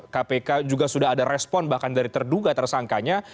kpk juga sudah ada respon bahkan dari terduga tersangkanya